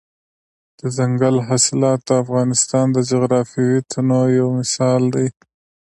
دځنګل حاصلات د افغانستان د جغرافیوي تنوع یو مثال دی.